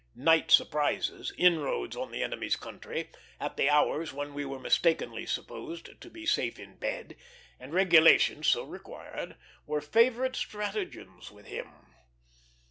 Night surprises, inroads on the enemy's country, at the hours when we were mistakenly supposed to be safe in bed, and regulations so required, were favorite stratagems with him.